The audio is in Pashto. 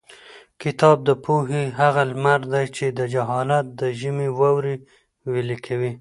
کتاب د پوهې هغه لمر دی چې د جهالت د ژمي واورې ویلي کوي.